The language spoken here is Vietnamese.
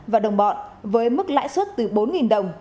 và đồng bọn với mức lãi suất từ bốn đồng